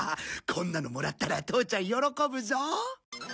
こんなのもらったら父ちゃん喜ぶぞ。